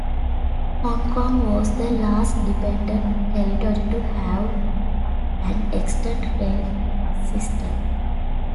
Hong Kong was the last dependent territory to have an extant rail system.